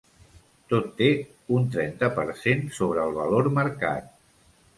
Tot té un trenta per cent sobre el valor marcat.